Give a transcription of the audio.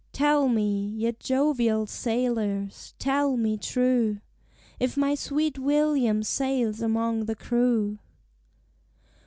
Tell me, ye jovial sailors, tell me true If my sweet William sails among the crew."